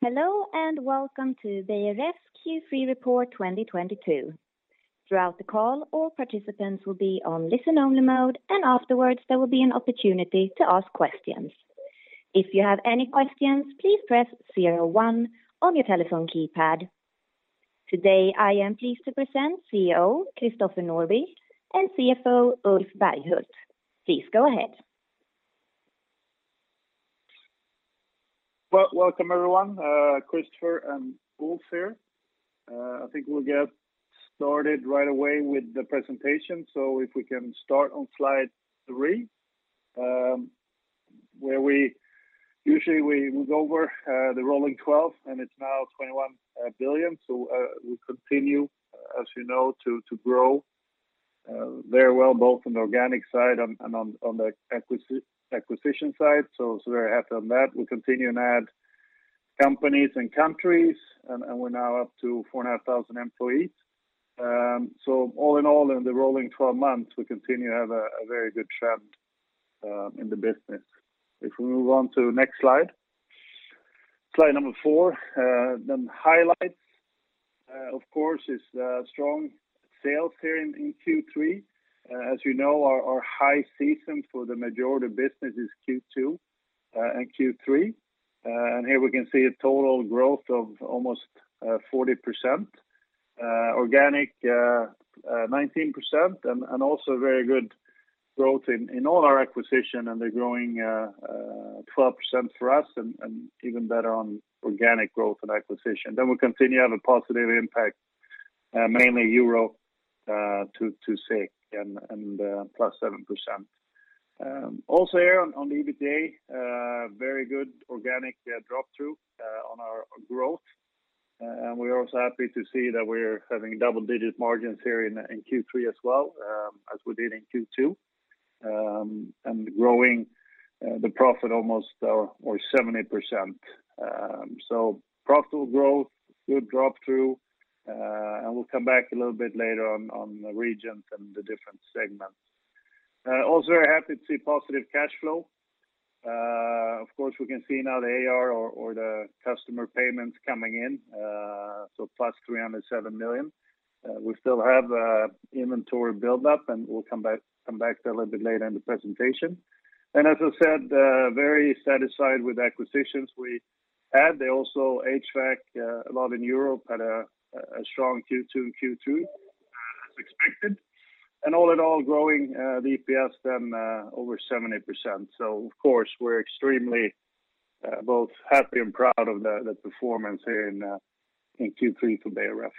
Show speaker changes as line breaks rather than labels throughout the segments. Hello, and welcome to Beijer Ref's Q3 Report 2022. Throughout the call, all participants will be on listen only mode, and afterwards, there will be an opportunity to ask questions. If you have any questions, please press zero one on your telephone keypad. Today, I am pleased to present CEO Christopher Norbye and CFO Ulf Berghult. Please go ahead.
Well, welcome, everyone. Christopher and Ulf here. I think we'll get started right away with the presentation. If we can start on slide three, where we usually move over the rolling twelve, and it's now 21 billion. We continue, as you know, to grow very well, both on the organic side and on the acquisition side. Very happy on that. We continue to add companies and countries, and we're now up to 4,500 employees. All in all, in the rolling twelve months, we continue to have a very good trend in the business. If we move on to the next slide. Slide number four. Then highlights, of course, is strong sales here in Q3. As you know, our high season for the majority of business is Q2 and Q3. Here we can see a total growth of almost 40%, organic 19%, and also very good growth in all our acquisitions, and they're growing 12% for us and even better on organic growth and acquisitions. We continue to have a positive impact, mainly Europe, to SEK +7%. Also here on the EBITDA, very good organic flow-through on our growth. We're also happy to see that we're having double-digit margins here in Q3 as well, as we did in Q2. Growing the profit almost over 70%. Profitable growth, good drop-through, and we'll come back a little bit later on the regions and the different segments. Also very happy to see positive cash flow. Of course, we can see now the AR or the customer payments coming in, so plus 307 million. We still have inventory build-up, and we'll come back to that a little bit later in the presentation. As I said, very satisfied with acquisitions we had. They also HVAC a lot in Europe had a strong Q2 and Q3 as expected. All in all growing, the EPS then over 70%. Of course, we're extremely both happy and proud of the performance here in Q3 for Beijer Ref.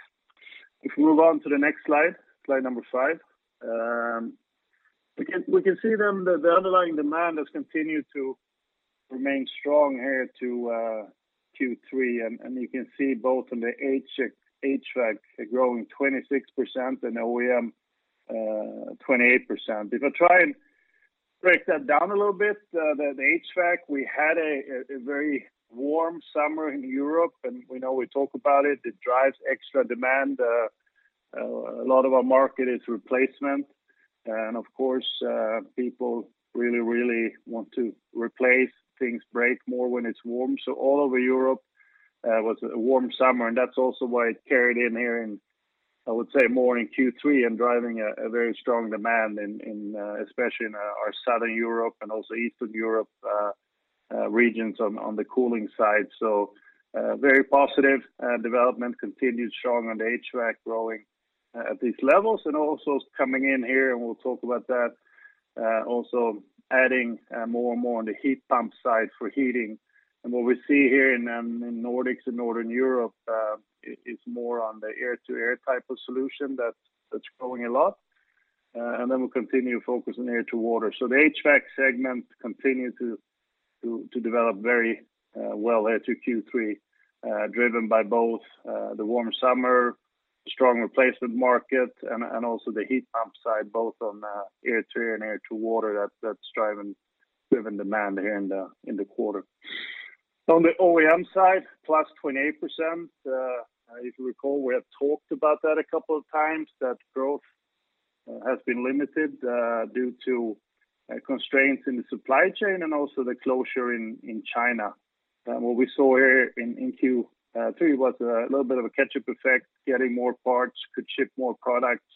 If we move on to the next slide number five. We can see then that the underlying demand has continued to remain strong here to Q3. You can see both in the HVAC growing 26% and OEM 28%. If I try and break that down a little bit, the HVAC, we had a very warm summer in Europe, and we know we talk about it. It drives extra demand. A lot of our market is replacement. Of course, people really want to replace. Things break more when it's warm. All over Europe was a warm summer, and that's also why it carried in here in, I would say, more in Q3 and driving a very strong demand in, especially in, our Southern Europe and also Eastern Europe, regions on the cooling side. Very positive development, continued strong on the HVAC growing at these levels. Also coming in here, and we'll talk about that, also adding more and more on the heat pump side for heating. What we see here in Nordics and Northern Europe is more on the air-to-air type of solution that's growing a lot. Then we'll continue to focus on air to water. The HVAC segment continued to develop very well up to Q3, driven by both the warm summer, strong replacement market and also the heat pump side, both on air-to-air and air-to-water that's driving demand here in the quarter. On the OEM side, +28%. If you recall, we have talked about that a couple of times, that growth has been limited due to constraints in the supply chain and also the closure in China. What we saw here in Q3 was a little bit of a catch-up effect, getting more parts, could ship more products.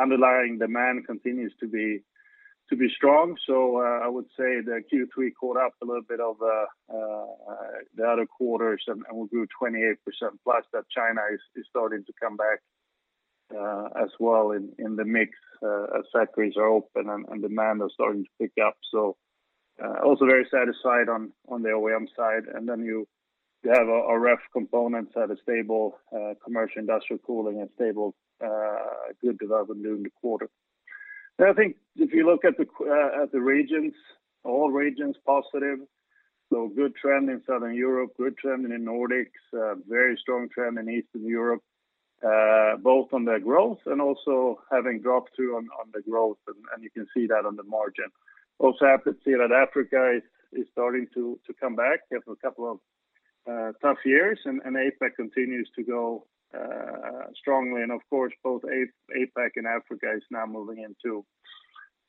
Underlying demand continues to be strong. I would say that Q3 caught up a little bit of the other quarters and we grew 28% plus that China is starting to come back as well in the mix as factories are open and demand are starting to pick up. Also very satisfied on the OEM side. Then you have a Ref component that is stable, commercial industrial cooling and stable, good development during the quarter. I think if you look at the regions, all regions positive. Good trend in Southern Europe, good trend in Nordics, very strong trend in Eastern Europe, both on the growth and also having drop-through on the growth. You can see that on the margin. Also happy to see that Africa is starting to come back after a couple of tough years. APAC continues to go strongly. Of course, both APAC and Africa is now moving into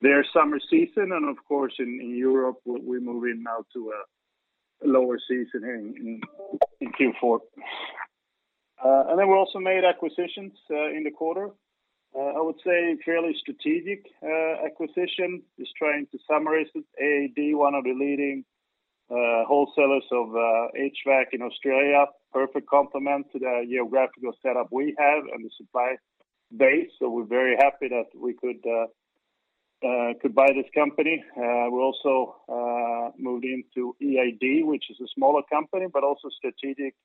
their summer season and of course, in Europe, we're moving now to a lower season in Q4. We also made acquisitions in the quarter. I would say fairly strategic acquisition, just trying to summarize it. AAD, one of the leading wholesalers of HVAC in Australia, perfect complement to the geographical setup we have and the supply base. We're very happy that we could buy this company. We also moved into EID, which is a smaller company, but also strategic,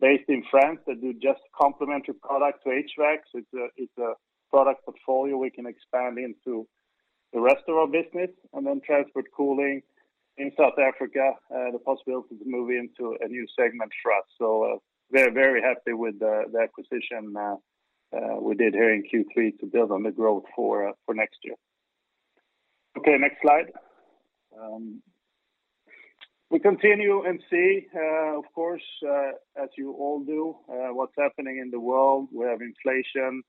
based in France that do just complementary product to HVAC. It's a product portfolio we can expand into the rest of our business. Then transport cooling in South Africa, the possibility to move into a new segment for us. Very happy with the acquisition we did here in Q3 to build on the growth for next year. Okay, next slide. We continue to see, of course, as you all do, what's happening in the world. We have inflation,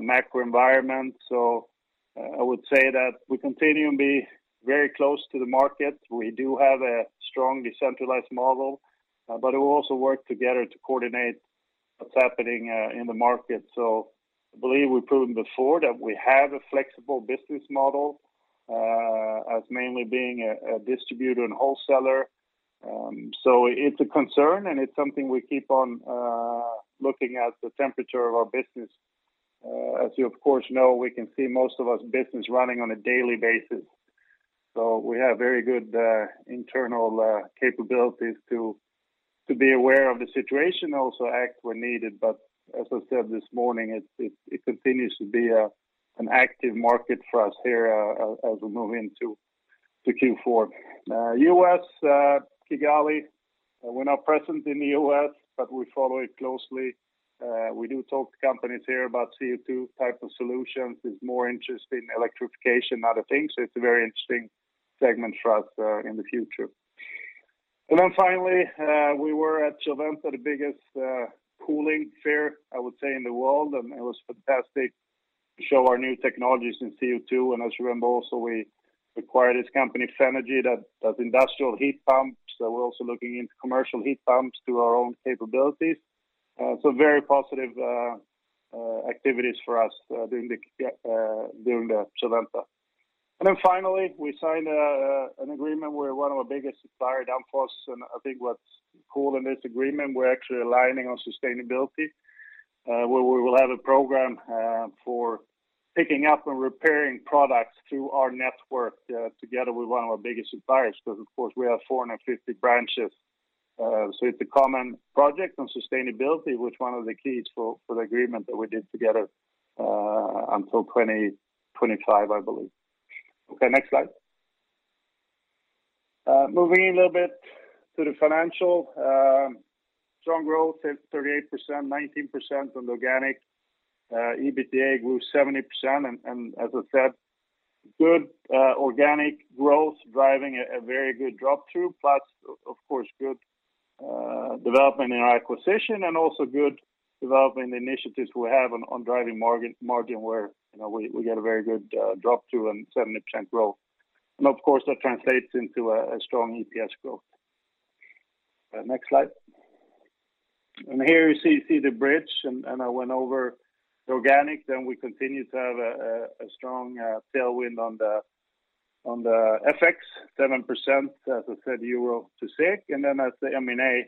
macro environment. I would say that we continue to be very close to the market. We do have a strong decentralized model, but we also work together to coordinate what's happening in the market. I believe we've proven before that we have a flexible business model, as mainly being a distributor and wholesaler. It's a concern, and it's something we keep on looking at the temperature of our business. As you of course know, we can see most of our business running on a daily basis. We have very good internal capabilities to be aware of the situation, also act when needed. As I said this morning, it continues to be an active market for us here, as we move into Q4. U.S., Kigali, we're not present in the U.S., but we follow it closely. We do talk to companies here about CO2 type of solutions. There's more interest in electrification and other things. It's a very interesting segment for us in the future. Finally, we were at Chillventa, the biggest cooling fair, I would say, in the world. It was fantastic to show our new technologies in CO2. As you remember also, we acquired this company, Fenagy, that does industrial heat pumps. We're also looking into commercial heat pumps through our own capabilities. Very positive activities for us during the Chillventa. Finally, we signed an agreement with one of our biggest supplier, Danfoss, and I think what's cool in this agreement, we're actually aligning on sustainability, where we will have a program for picking up and repairing products through our network together with one of our biggest suppliers, because, of course, we have 450 branches. It's a common project on sustainability, which one of the keys for the agreement that we did together until 2025, I believe. Okay, next slide. Moving a little bit to the financial, strong growth, 38%, 19% on the organic, EBITDA grew 70%. As I said, good organic growth driving a very good drop-through, plus, of course, good development in our acquisition, and also good development initiatives we have on driving margin where, you know, we get a very good drop-through and 70% growth. Of course, that translates into a strong EPS growth. Next slide. Here you see the bridge and I went over the organic. We continue to have a strong tailwind on the FX, 7%, as I said, euro to SEK. As the M&A,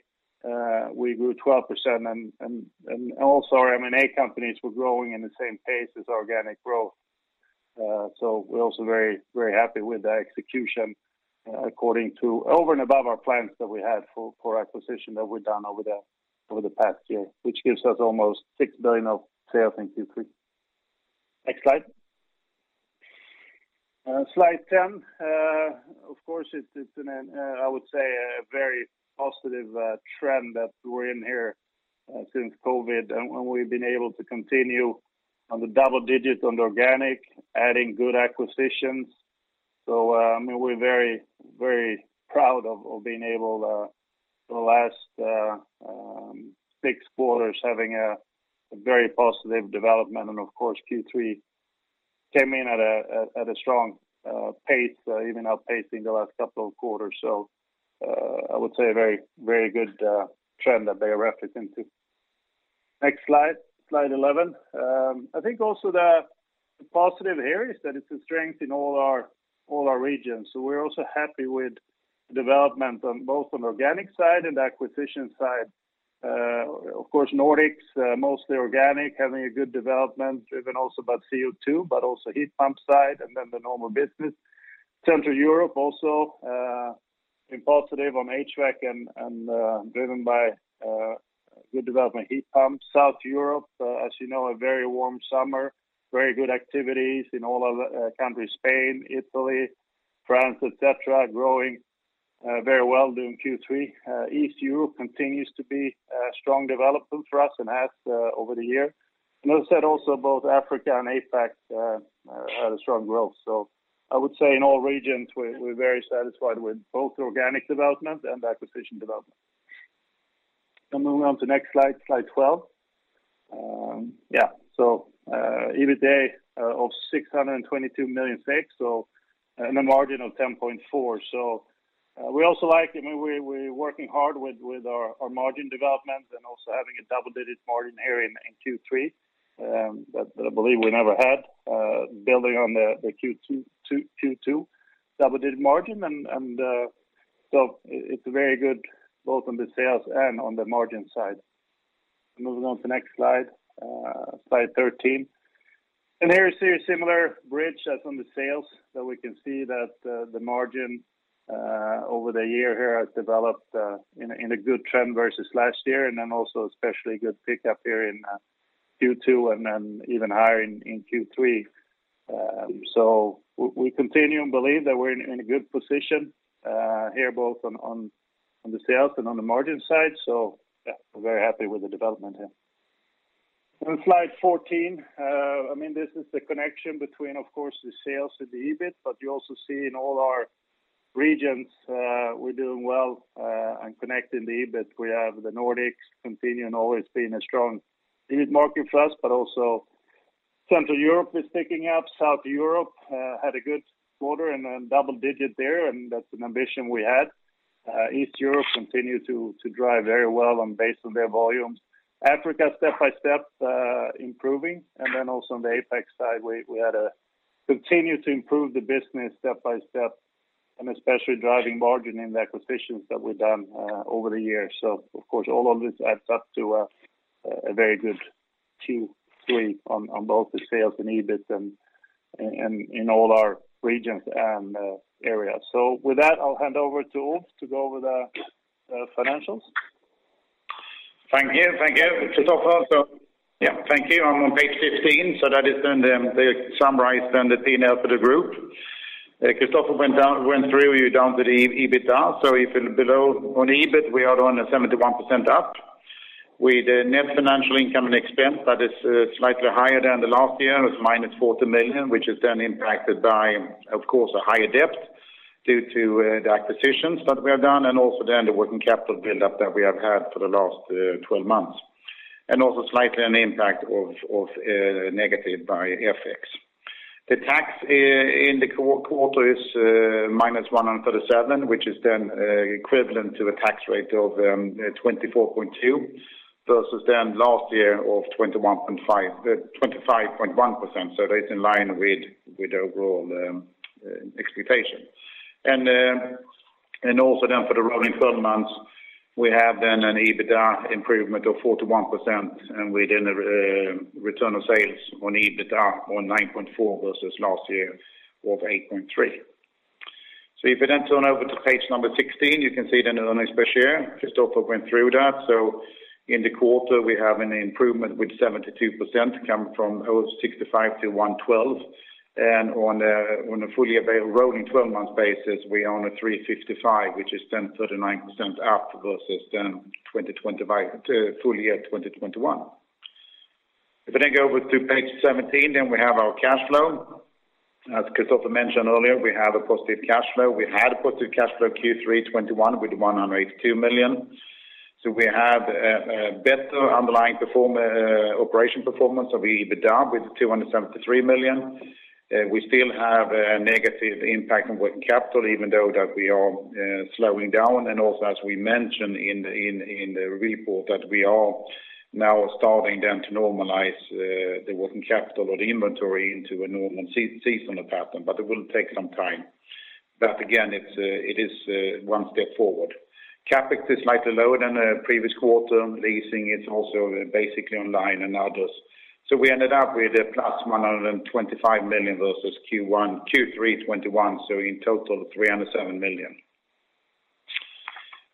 we grew 12% and also our M&A companies were growing in the same pace as organic growth. We're also very, very happy with the execution over and above our plans that we had for acquisition that we've done over the past year, which gives us almost 6 billion of sales in Q3. Next slide. Slide ten. Of course, it's, I would say, a very positive trend that we're in here since COVID, and when we've been able to continue in the double digits on the organic, adding good acquisitions. I mean, we're very, very proud of being able for the last six quarters having a very positive development. Of course, Q3 came in at a strong pace, even outpacing the last couple of quarters. I would say a very, very good trend that they are referencing to. Next slide 11. I think also the positive here is that it's a strength in all our regions. We're also happy with development on both the organic side and acquisition side. Of course, Nordics, mostly organic, having a good development, driven also by CO2, but also heat pump side, and then the normal business. Central Europe also positive on HVAC and driven by good development heat pumps. South Europe, as you know, a very warm summer, very good activities in all of the countries, Spain, Italy, France, et cetera, growing very well during Q3. East Europe continues to be a strong development for us and has over the year. As I said, also both Africa and APAC had a strong growth. I would say in all regions, we're very satisfied with both organic development and acquisition development. Moving on to next slide 12. EBITA of 622 million SEK, and a margin of 10.4%. We also like, I mean, we working hard with our margin development and also having a double-digit margin here in Q3, that I believe we never had, building on the Q2 double-digit margin. It's very good both on the sales and on the margin side. Moving on to the next slide 13. Here you see a similar bridge as on the sales, that we can see that the margin over the year here has developed in a good trend versus last year, and then also especially good pickup here in Q2 and then even higher in Q3. We continue and believe that we're in a good position here both on the sales and on the margin side. Yeah, we're very happy with the development here. On slide 14, I mean, this is the connection between, of course, the sales and the EBIT, but you also see in all our regions, we're doing well on connecting the EBIT. We have the Nordics continuing always being a strong lead market for us, but also Central Europe is picking up. South Europe had a good quarter and then double-digit there, and that's an ambition we had. East Europe continued to drive very well based on their volumes. Africa, step by step, improving. Then also on the APAC side, we had to continue to improve the business step by step, and especially driving margin in the acquisitions that we've done over the years. Of course, all of this adds up to a very good Q3 on both the sales and EBIT and in all our regions and areas. With that, I'll hand over to Ulf to go over the financials.
Thank you. Thank you, Christopher. Yeah, thank you. I'm on page 15, so that is then the summarized and the P&L for the group. Christopher went through down to the EBITDA. If below on the EBIT, we are 71% up. With net financial income and expense, that is slightly higher than the last year. It was -14 million, which is then impacted by, of course, a higher debt due to the acquisitions that we have done and also then the working capital buildup that we have had for the last 12 months, and also slightly an impact of negative by FX. The tax in the quarter is -137, which is then equivalent to a tax rate of 24.2% versus then last year of 25.1%. That's in line with the overall expectation. Also then for the rolling twelve months, we have then an EBITDA improvement of 41%, and we then return on sales on EBITDA on 9.4 versus last year of 8.3. If you then turn over to page 16, you can see then on earnings per share. Christopher went through that. In the quarter, we have an improvement with 72% to come from 65 to 112. On a full-year rolling twelve-month basis, we have 355, which is 39% up versus 2020 by full year 2021. If we go over to page 17, we have our cash flow. As Christopher mentioned earlier, we have a positive cash flow. We had a positive cash flow Q3 2021 with 182 million. We have a better underlying operational performance of EBITDA with 273 million. We still have a negative impact on working capital, even though we are slowing down. Also as we mentioned in the report that we are now starting to normalize the working capital or the inventory into a normal seasonal pattern, but it will take some time. It is one step forward. CapEx is slightly lower than the previous quarter. Leasing is also basically online and others. We ended up with a +125 million versus Q1, Q3 2021, so in total, 307 million.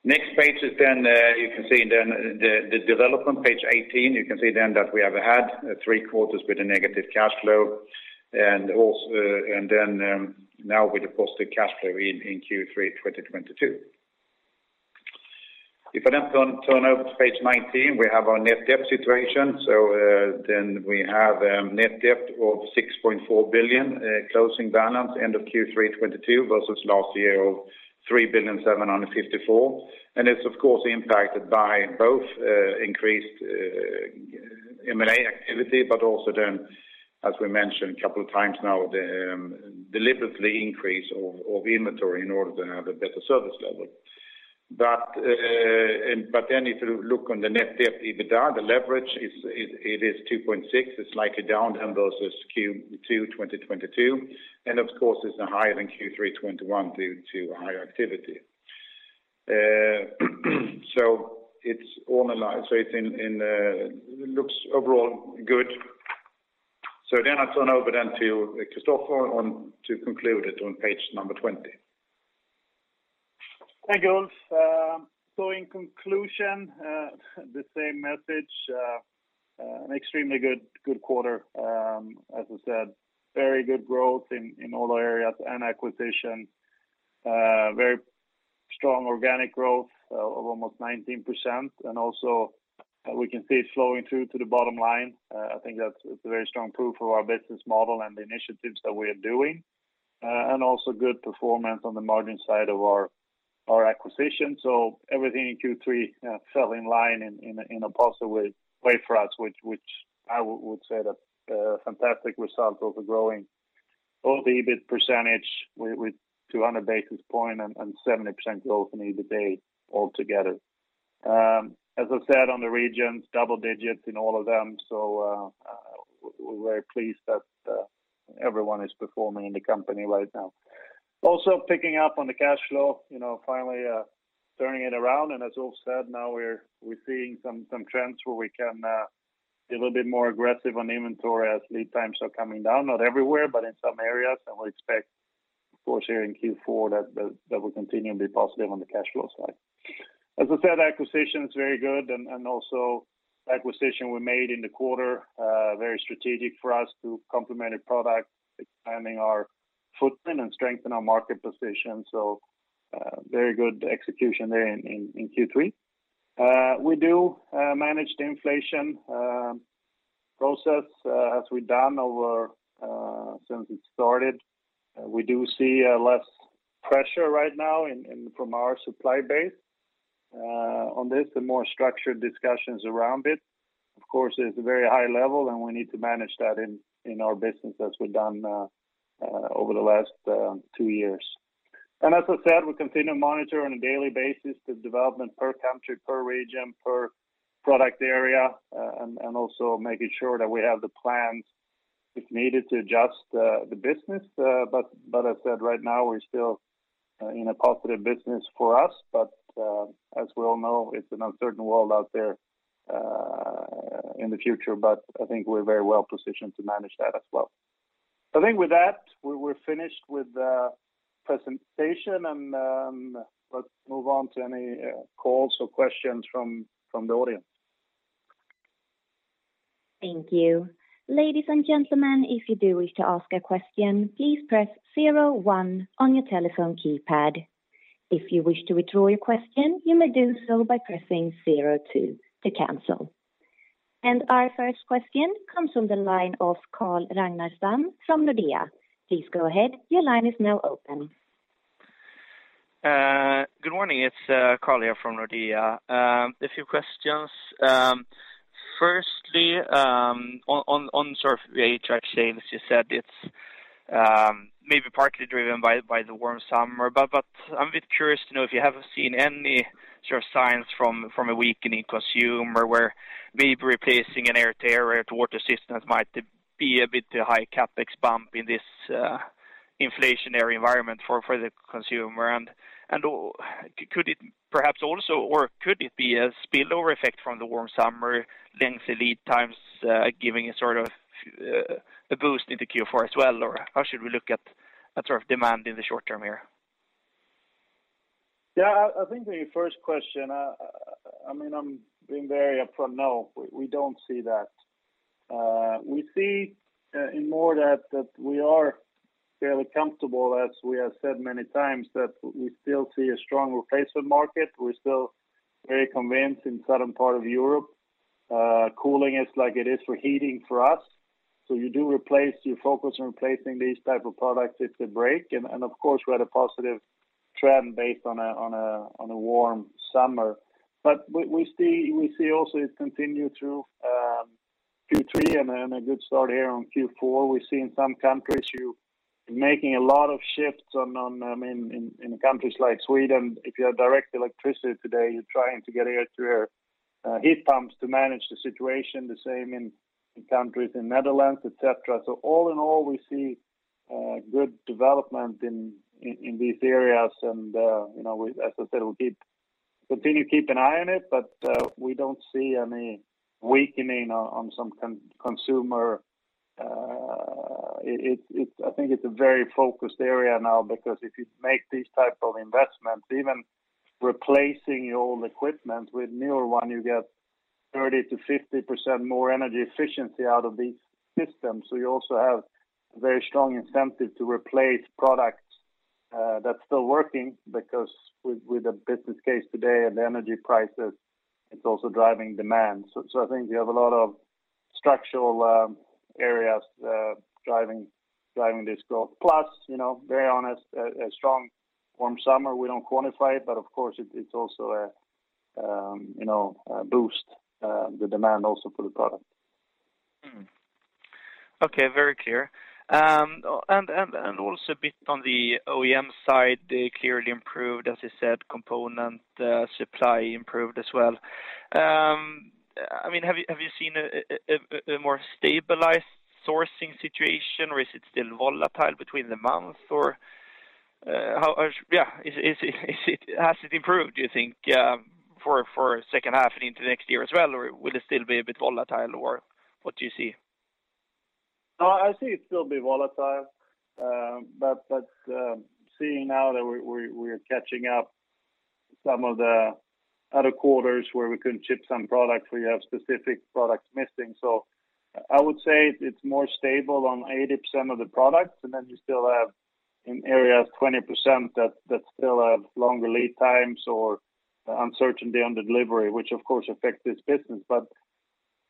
Next page is then you can see then the development. Page 18, you can see then that we have had three quarters with a negative cash flow and then now with a positive cash flow in Q3 2022. If I then turn over to page 19, we have our net debt situation. We have net debt of 6.4 billion closing balance end of Q3 2022 versus last year of 3.754 billion. It's of course impacted by both increased M&A activity, but also then, as we mentioned a couple of times now, the deliberately increase of inventory in order to have a better service level. If you look on the net debt EBITDA, the leverage is 2.6. It's slightly down than versus Q2 2022. Of course it's higher than Q3 2021 due to higher activity. It's normalized. It looks overall good. I turn over to Christopher to conclude it on page number 20.
Thank you, Ulf. In conclusion, the same message, an extremely good quarter. As I said, very good growth in all areas and acquisition, very strong organic growth of almost 19%. We can see it flowing through to the bottom line. I think that it's a very strong proof of our business model and the initiatives that we are doing. Also good performance on the margin side of our acquisition. Everything in Q3 fell in line in a positive way for us, which I would say that fantastic results overall growing both the EBIT percentage with 200 basis points and 70% growth in EBITA altogether. As I said, on the regions, double digits in all of them, so, we're very pleased that, everyone is performing in the company right now. Also picking up on the cash flow, you know, finally, turning it around, and as Ulf said, now we're seeing some trends where we can, be a little bit more aggressive on inventory as lead times are coming down, not everywhere, but in some areas. We expect, of course, here in Q4 that that will continue and be positive on the cash flow side. As I said, acquisition is very good and also acquisition we made in the quarter, very strategic for us to complement a product, expanding our footprint and strengthen our market position. Very good execution there in Q3. We do manage the inflation process as we've done ever since it started. We do see less pressure right now in from our supply base on this, the more structured discussions around it. Of course, it's a very high level, and we need to manage that in our business as we've done over the last two years. As I said, we continue to monitor on a daily basis the development per country, per region, per product area, and also making sure that we have the plans if needed to adjust the business. As I said, right now, we're still in a positive business for us. As we all know, it's an uncertain world out there, in the future, but I think we're very well positioned to manage that as well. I think with that, we're finished with the presentation and, let's move on to any, calls or questions from the audience.
Thank you. Ladies and gentlemen, if you do wish to ask a question, please press zero one on your telephone keypad. If you wish to withdraw your question, you may do so by pressing zero two to cancel. Our first question comes from the line of Carl Ragnerstam from Nordea. Please go ahead, your line is now open.
Good morning, it's Carl here from Nordea. A few questions. Firstly, on sort of the HVAC, as you said, it's maybe partly driven by the warm summer. I'm a bit curious to know if you have seen any sort of signs from a weakening consumer where maybe replacing an air-to-air or air-to-water system might be a bit high CapEx bump in this inflationary environment for the consumer. Could it perhaps also be a spillover effect from the warm summer, lengthy lead times giving a sort of boost into Q4 as well? Or how should we look at that sort of demand in the short term here?
Yeah, I think the first question, I mean, I'm being very upfront, no, we don't see that. We see more that we are fairly comfortable, as we have said many times, that we still see a strong replacement market. We're still very convinced in southern part of Europe, cooling is like it is for heating for us. You do replace, you focus on replacing these type of products if they break. Of course, we had a positive trend based on a warm summer. We see it continue through Q3 and then a good start here on Q4. We see in some countries you making a lot of shifts in countries like Sweden, if you have direct electricity today, you're trying to get air-to-air heat pumps to manage the situation, the same in countries in the Netherlands, et cetera. All in all, we see good development in these areas. You know, as I said, we'll continue to keep an eye on it, but we don't see any weakening on some consumer. I think it's a very focused area now because if you make these type of investments, even replacing your old equipment with newer one, you get 30%-50% more energy efficiency out of these systems. You also have a very strong incentive to replace products, that's still working because with the business case today and the energy prices, it's also driving demand. I think you have a lot of structural areas driving this growth. Plus, you know, very honestly, a strong warm summer, we don't quantify it, but of course, it's also a, you know, a boost, the demand also for the product.
Okay, very clear. Also a bit on the OEM side, they clearly improved, as you said, component supply improved as well. I mean, have you seen a more stabilized sourcing situation, or is it still volatile between the months? Or, has it improved, do you think, for second half and into next year as well? Or will it still be a bit volatile, or what do you see?
No, I see it still be volatile. Seeing now that we're catching up some of the other quarters where we couldn't ship some products, we have specific products missing. I would say it's more stable on 80% of the products, and then you still have in areas 20% that still have longer lead times or uncertainty on the delivery, which of course affects this business.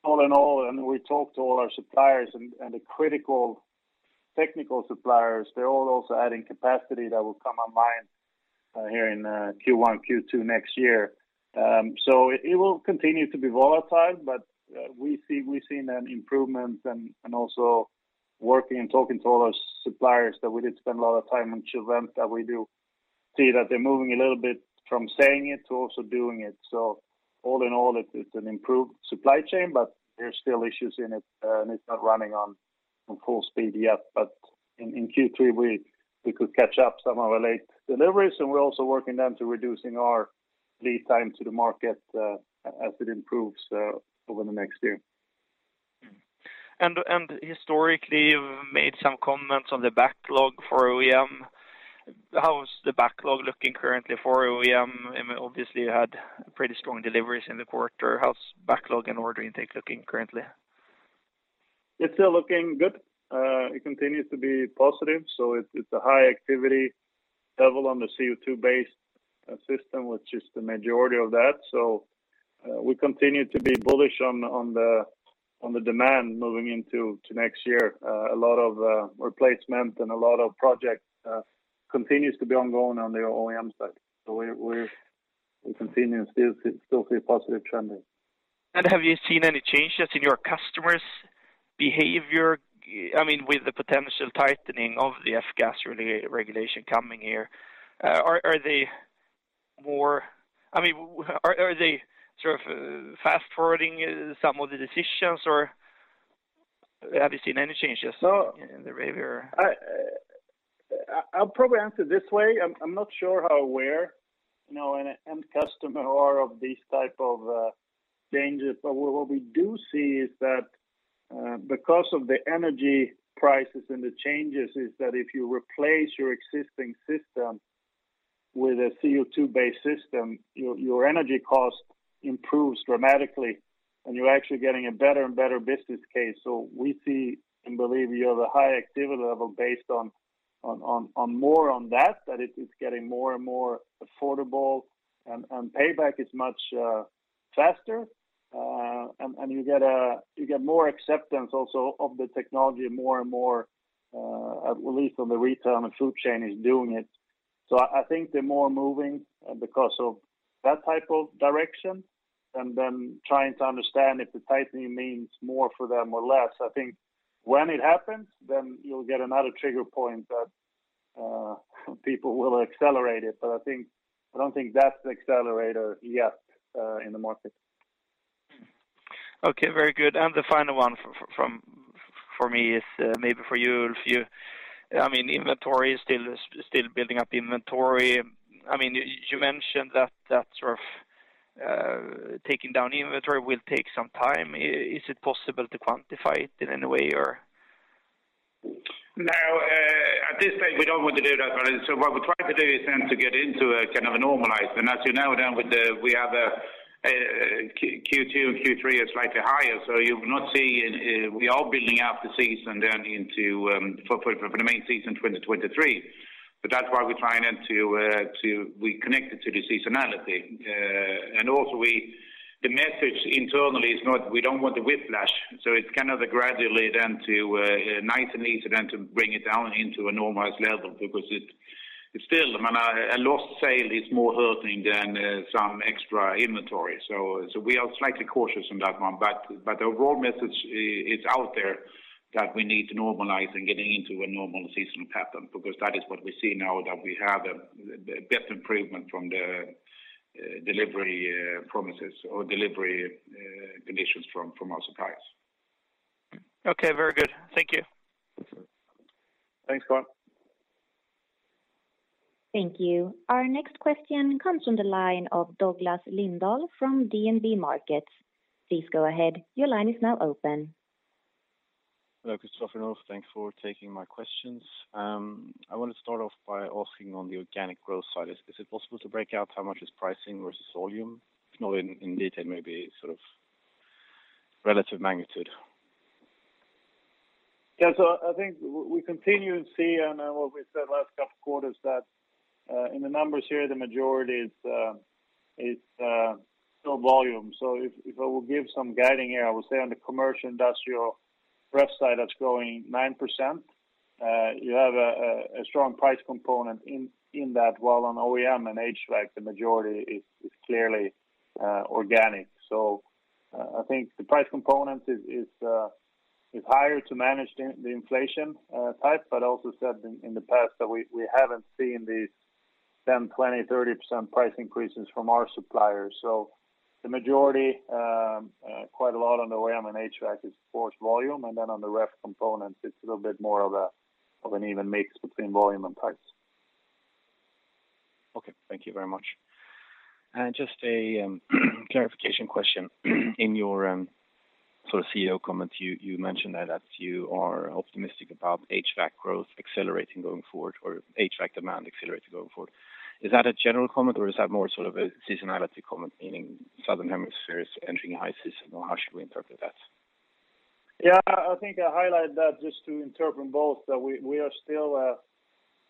All in all, we talked to all our suppliers and the critical technical suppliers. They're all also adding capacity that will come online here in Q1, Q2 next year. It will continue to be volatile, but we've seen an improvement and also working and talking to all our suppliers that we did spend a lot of time ensure them that we do see that they're moving a little bit from saying it to also doing it. All in all, it's an improved supply chain, but there's still issues in it, and it's not running on full speed yet. In Q3, we could catch up some of our late deliveries, and we're also working then to reducing our lead time to the market as it improves over the next year.
Historically, you've made some comments on the backlog for OEM. How is the backlog looking currently for OEM? I mean, obviously, you had pretty strong deliveries in the quarter. How's backlog and order intake looking currently?
It's still looking good. It continues to be positive, so it's a high activity level on the CO2-based system, which is the majority of that. We continue to be bullish on the demand moving into next year. A lot of replacement and a lot of project continues to be ongoing on the OEM side. We continue and still see a positive trending.
Have you seen any changes in your customers' behavior? I mean, with the potential tightening of the F-gas Regulation coming here, are they sort of fast-forwarding some of the decisions, or have you seen any changes in their behavior?
I'll probably answer this way. I'm not sure how aware, you know, an end customer are of these type of changes. What we do see is that because of the energy prices and the changes is that if you replace your existing system with a CO2-based system, your energy cost improves dramatically, and you're actually getting a better and better business case. We see and believe you have a high activity level based on more on that it is getting more and more affordable and payback is much faster. You get more acceptance also of the technology more and more, at least on the retail and the food chain is doing it. I think they're more moving because of that type of direction, and then trying to understand if the tightening means more for them or less. I think when it happens, then you'll get another trigger point that people will accelerate it. I think, I don't think that's the accelerator yet in the market.
Okay, very good. The final one from me is maybe for you, Ulf. I mean, inventory is still building up inventory. I mean, you mentioned that sort of taking down inventory will take some time. Is it possible to quantify it in any way or?
No. At this stage, we don't want to do that. What we try to do is then to get into a kind of a normalized. As you know, then with that we have Q2 and Q3 is slightly higher. You will not see we are building out the season then into for the main season 2023. That's why we're trying then to connect it to the seasonality. Also the message internally is not we don't want the whiplash, so it's kind of gradually then to nice and easy then to bring it down into a normalized level because it still I mean a lost sale is more hurting than some extra inventory. We are slightly cautious on that one. The raw message is out there that we need to normalize and getting into a normal seasonal pattern because that is what we see now that we have the best improvement from the delivery promises or delivery conditions from our suppliers.
Okay, very good. Thank you.
Thanks, Carl.
Thank you. Our next question comes from the line of Douglas Lindahl from DNB Markets. Please go ahead. Your line is now open.
Hello, Christopher and Ulf. Thanks for taking my questions. I want to start off by asking on the organic growth side. Is it possible to break out how much is pricing versus volume? If not in detail, maybe sort of relative magnitude.
Yeah. I think we continue to see what we said last couple of quarters that in the numbers here, the majority is still volume. If I will give some guidance here, I will say on the commercial industrial ref side, that's growing 9%. You have a strong price component in that, while on OEM and HVAC, the majority is clearly organic. I think the price component is higher to manage the inflation type, but also said in the past that we haven't seen these 10%, 20%, 30% price increases from our suppliers. The majority, quite a lot on OEM and HVAC is forced volume, and then on the ref component, it's a little bit more of an even mix between volume and types.
Okay. Thank you very much. Just a clarification question. In your sort of CEO comments, you mentioned that you are optimistic about HVAC growth accelerating going forward or HVAC demand accelerating going forward. Is that a general comment or is that more sort of a seasonality comment, meaning Southern Hemisphere is entering a high season, or how should we interpret that?
Yeah, I think I highlight that just to interpret both that we are still a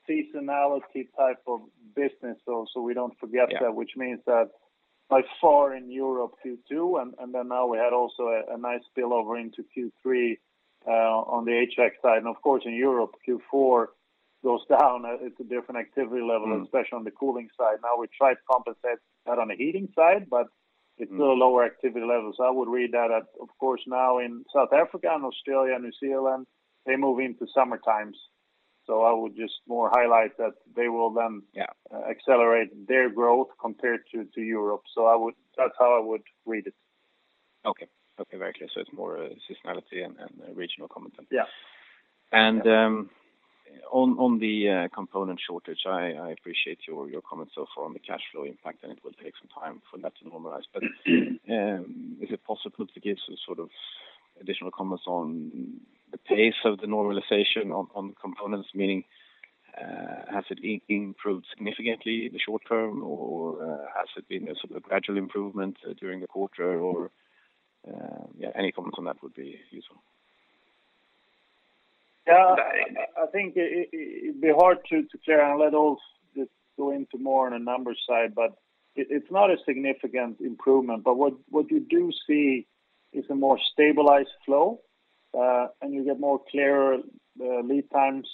seasonality type of business, so we don't forget that.
Yeah.
Which means that by far in Europe, Q2, and then now we had also a nice spillover into Q3 on the HX side. Of course, in Europe, Q4 goes down. It's a different activity level, especially on the cooling side. Now we try to compensate that on the heating side, but it's still lower activity levels. I would read that at, of course, now in South Africa and Australia, New Zealand, they move into summertimes. I would just more highlight that they will then-
Yeah
accelerate their growth compared to Europe. That's how I would read it.
Okay. Okay, very clear. It's more, seasonality and regional comments then.
Yeah.
On the component shortage, I appreciate your comments so far on the cash flow impact, and it will take some time for that to normalize. Is it possible to give some sort of additional comments on the pace of the normalization on the components? Meaning, has it improved significantly in the short term, or has it been a sort of gradual improvement during the quarter? Yeah, any comments on that would be useful.
Yeah. I think it'd be hard to clear, and let Ulf just go into more on the numbers side, but it's not a significant improvement. What you do see is a more stabilized flow, and you get more clearer lead times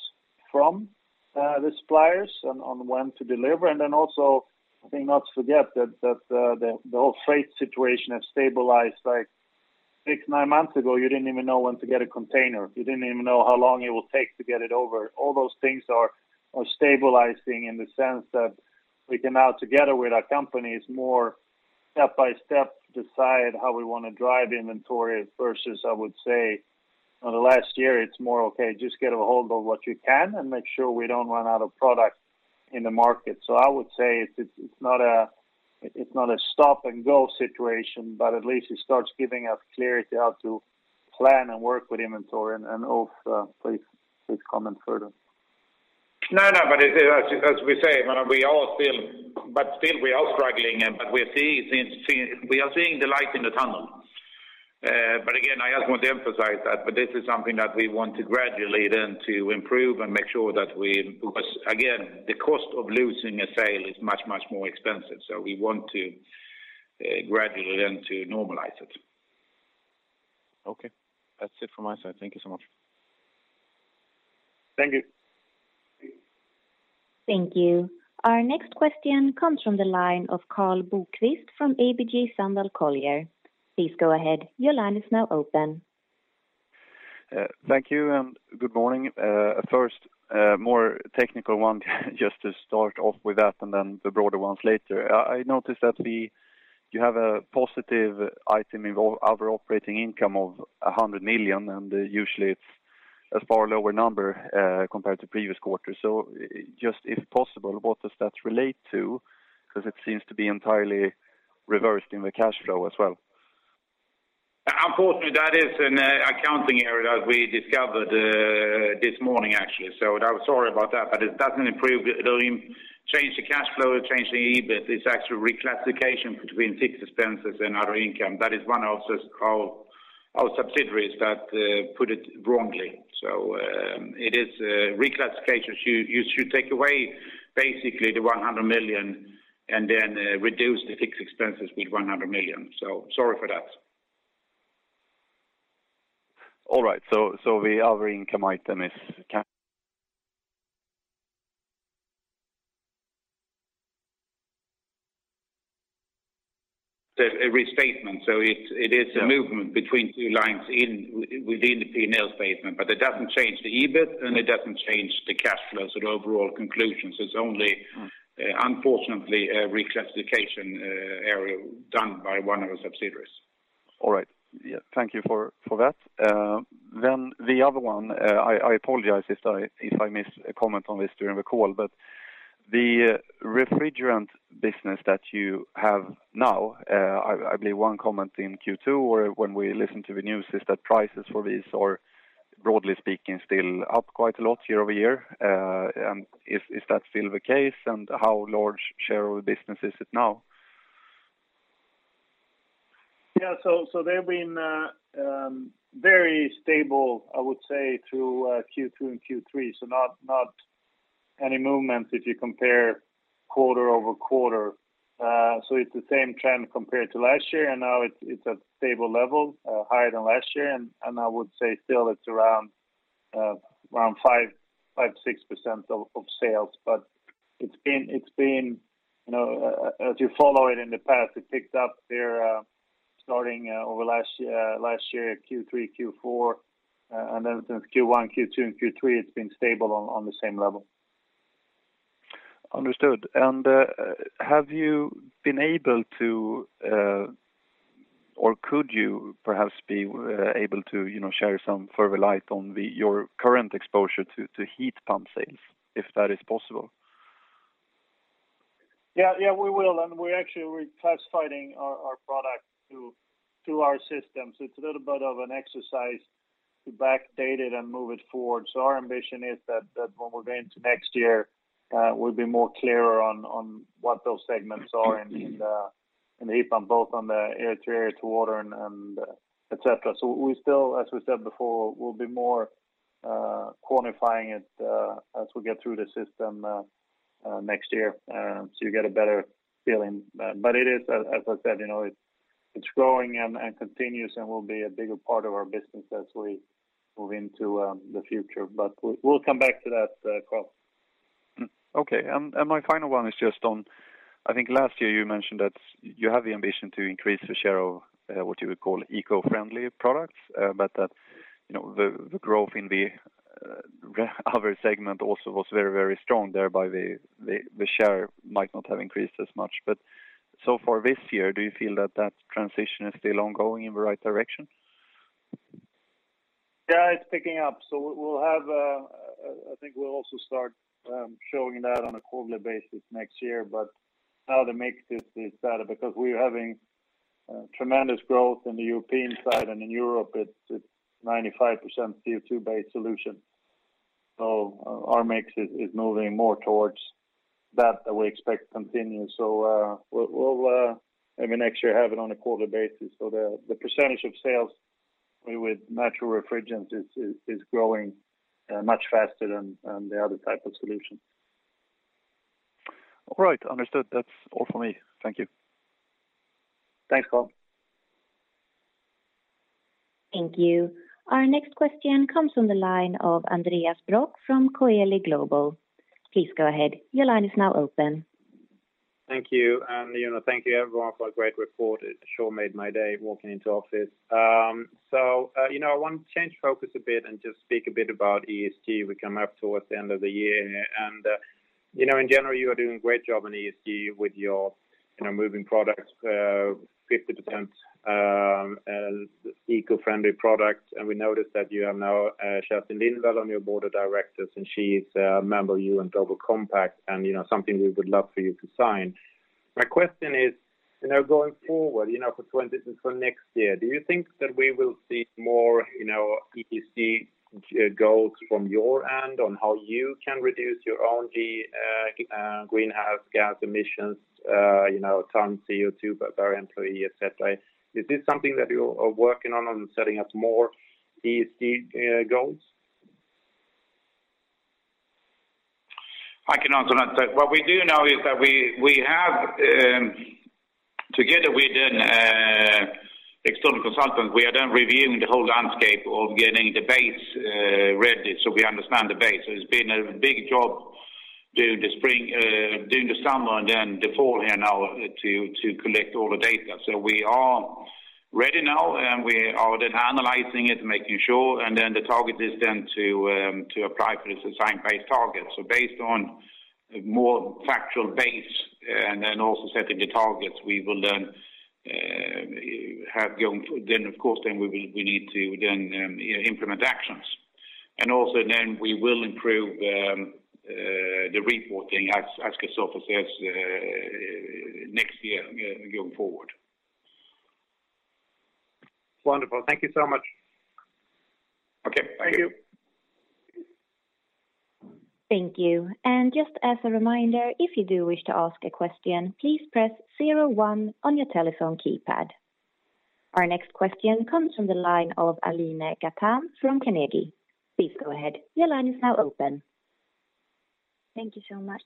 from the suppliers on when to deliver. Also, I think not forget that the whole freight situation has stabilized. Like six to nine months ago, you didn't even know when to get a container. You didn't even know how long it will take to get it over. All those things are stabilizing in the sense that we can now, together with our companies, more step-by-step decide how we want to drive inventory versus, I would say, in the last year, it's more, "Okay, just get a hold of what you can and make sure we don't run out of product in the market." I would say it's not a stop-and-go situation, but at least it starts giving us clarity how to plan and work with inventory. Ulf, please comment further.
No, but as we say, we are still struggling, but we are seeing the light in the tunnel. Again, I just want to emphasize that, but this is something that we want to gradually then to improve and make sure that we. Because again, the cost of losing a sale is much, much more expensive, so we want to gradually then to normalize it.
Okay. That's it from my side. Thank you so much.
Thank you.
Thank you. Our next question comes from the line of Karl Bokvist from ABG Sundal Collier. Please go ahead. Your line is now open.
Thank you, and good morning. First, more technical one, just to start off with that and then the broader ones later. I noticed that you have a positive item in other operating income of 100 million, and usually it's a far lower number, compared to previous quarters. Just if possible, what does that relate to? Because it seems to be entirely reversed in the cash flow as well.
Unfortunately, that is an accounting error that we discovered this morning, actually. I'm sorry about that, but it doesn't change the cash flow, change the EBIT. It's actually reclassification between fixed expenses and other income. That is one of our subsidiaries that put it wrongly. It is a reclassification. You should take away basically the 100 million and then reduce the fixed expenses with 100 million. Sorry for that.
All right. The other income item is ca-
It's a restatement. It is a movement between two lines within the P&L statement, but it doesn't change the EBIT, and it doesn't change the cash flows or the overall conclusions. It's only, unfortunately, a reclassification error done by one of the subsidiaries.
All right. Yeah. Thank you for that. The other one, I apologize if I missed a comment on this during the call, but the refrigerant business that you have now, I believe one comment in Q2 or when we listen to the news is that prices for these are, broadly speaking, still up quite a lot year-over-year. Is that still the case, and how large share of the business is it now?
So they've been very stable, I would say, through Q2 and Q3, so not any movement if you compare quarter-over-quarter. So it's the same trend compared to last year, and now it's at stable level, higher than last year. I would say still it's around 5%-6% of sales. It's been, you know, as you follow it in the past, it picked up there, starting over last year, Q3, Q4. Since Q1, Q2, and Q3, it's been stable on the same level.
Understood. Could you perhaps be able to, you know, share some further light on your current exposure to heat pump sales, if that is possible?
Yeah, we will. We're actually reclassifying our product to our system. It's a little bit of an exercise to backdate it and move it forward. Our ambition is that when we're going to next year, we'll be more clearer on what those segments are in the heat pump, both on the air-to-air to water and et cetera. We still, as we said before, we'll be more quantifying it as we get through the system next year, so you get a better feeling. It is, as I said, you know, it's growing and continues, and will be a bigger part of our business as we move into the future. We'll come back to that, Karl.
Okay. My final one is just on, I think last year you mentioned that you have the ambition to increase the share of what you would call eco-friendly products. That, you know, the growth in the other segment also was very, very strong. Thereby the share might not have increased as much. So far this year, do you feel that that transition is still ongoing in the right direction?
Yeah, it's picking up. We'll have. I think we'll also start showing that on a quarterly basis next year. Now the mix is better because we're having tremendous growth in the European side, and in Europe it's 95% CO2-based solution. Our mix is moving more towards that we expect to continue. We'll, I mean, next year have it on a quarterly basis. The percentage of sales with natural refrigerants is growing much faster than the other type of solution.
All right. Understood. That's all for me. Thank you.
Thanks, Karl.
Thank you. Our next question comes from the line of Andreas Brock from Coeli Global. Please go ahead. Your line is now open.
Thank you. You know, thank you everyone for a great report. It sure made my day walking into office. You know, I want to change focus a bit and just speak a bit about ESG. We come up towards the end of the year and, you know, in general, you are doing a great job in ESG with your, you know, moving products 50% eco-friendly products. We noticed that you have now Kerstin Lindvall on your board of directors, and she is a member UN Global Compact and something we would love for you to sign. My question is, you know, going forward, you know, for next year, do you think that we will see more, you know, ESG goals from your end on how you can reduce your own greenhouse gas emissions, you know, ton CO2 per employee, et cetera? Is this something that you are working on setting up more ESG goals?
I can answer that. What we do know is that we have together with an external consultant, we are done reviewing the whole landscape of getting the base ready so we understand the base. It's been a big job during the spring during the summer and then the fall here now to collect all the data. We are ready now, and we are then analyzing it, making sure, and then the target is then to apply for the Science-Based Target. Based on a more factual base and then also setting the targets, we will then have gone. Of course, then we need to then implement actions. Also then we will improve the reporting as Christopher says next year going forward.
Wonderful. Thank you so much.
Okay. Thank you.
Thank you. Just as a reminder, if you do wish to ask a question, please press zero one on your telephone keypad. Our next question comes from the line of Aline Ghatan from Carnegie. Please go ahead. Your line is now open.
Thank you so much.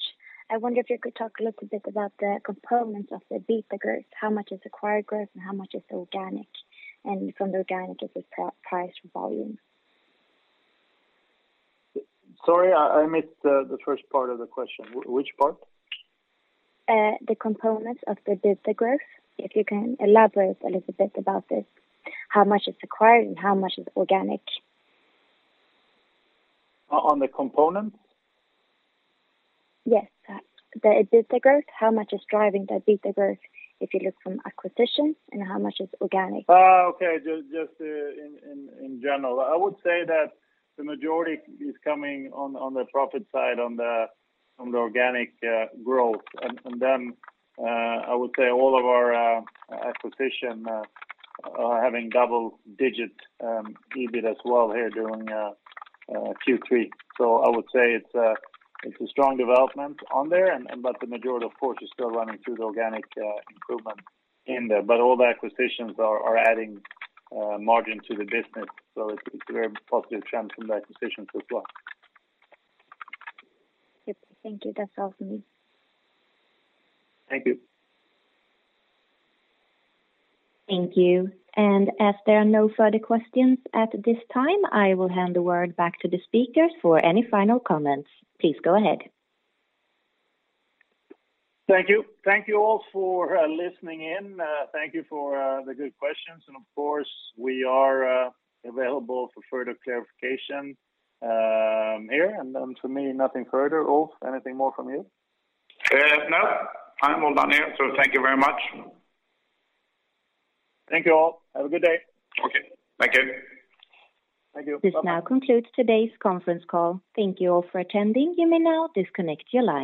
I wonder if you could talk a little bit about the components of the EBITDA growth. How much is acquired growth and how much is organic? From the organic, is it price volume?
Sorry, I missed the first part of the question. Which part?
The components of the EBITDA growth. If you can elaborate a little bit about this, how much is acquired and how much is organic?
On the components?
Yes. The EBITDA growth, how much is driving that EBITDA growth if you look from acquisitions and how much is organic?
Oh, okay. Just in general. I would say that the majority is coming on the profit side, on the organic growth. I would say all of our acquisitions are having double digit EBIT as well here during Q3. I would say it's a strong development on there, but the majority of course is still running through the organic improvement in there. All the acquisitions are adding margin to the business. It's a very positive trend from the acquisitions as well.
Yep. Thank you. That's all for me.
Thank you.
Thank you. As there are no further questions at this time, I will hand the word back to the speakers for any final comments. Please go ahead.
Thank you. Thank you all for listening in. Thank you for the good questions. Of course, we are available for further clarification here. To me, nothing further. Ulf, anything more from you?
No. I'm all done here, so thank you very much.
Thank you all. Have a good day.
Okay. Thank you.
Thank you. Bye-bye.
This now concludes today's conference call. Thank you all for attending. You may now disconnect your line.